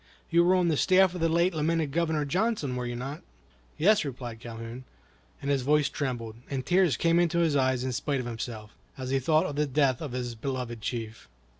You were on the staff of the late lamented Governor Johnson, were you not?" "Yes," replied Calhoun; and his voice trembled, and tears came into his eyes in spite of himself, as he thought of the death of his beloved chief.